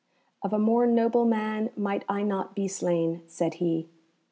"Of a more noble man might I not be slain," said he.